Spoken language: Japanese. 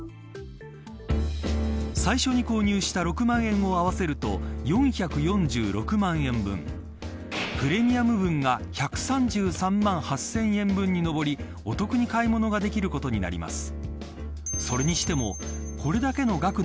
最初に購入した６万円を合わせると４４６万円分プレミアム分が１３３万８０００円分に上りお得に買い物ができることになります。